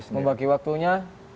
untuk membagi waktunya